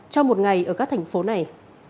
cho một ngày ở các thành phố này